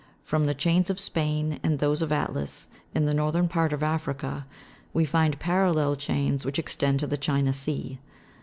From the chains of Spain and those of Atlas, in the northern part of Africa, we find parallel chains which extend to theChina sea.